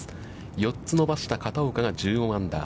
４つ伸ばした片岡が１４アンダー。